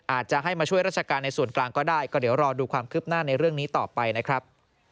อาจจะให้มาช่วยราชการในส่วนกลางก็ได้ก็เดี๋ยวรอดูความคืบหน้าในเรื่องนี้ต่อไปนะครับ